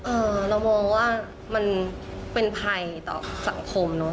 เรามองว่ามันเป็นภัยต่อสังคมเนอะ